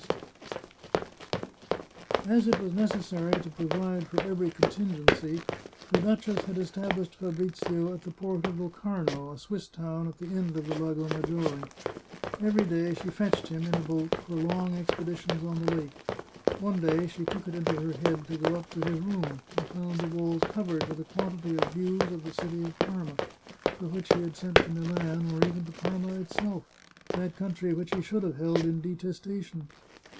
418 The Chartreuse of Parma As it was necessary to provide for every contingency, the duchess had established Fabrizio at the port of Locarno, a Swiss town at the end of the Lago Maggiore. Every day she fetched him, in a boat, for long expeditions on the lake. One day she took it into her head to go up to his room, and found the walls covered with a quantity of views of the city of Parma, for which he had sent to Milan, or even to Parma itself — that country which he should have held in detestation.